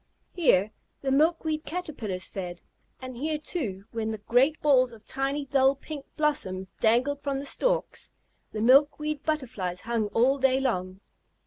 Here the Milkweed Caterpillars fed, and here, too, when the great balls of tiny dull pink blossoms dangled from the stalks, the Milkweed Butterflies hung all day long.